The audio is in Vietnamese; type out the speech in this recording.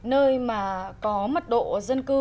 nơi mà có mật độ dân cư